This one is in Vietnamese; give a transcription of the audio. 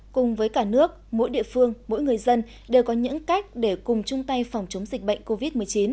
cùng với cả nước mỗi địa phương mỗi người dân đều có những cách để cùng chung tay phòng chống dịch bệnh covid một mươi chín